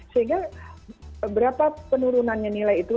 sehingga berapa penurunannya nilai itu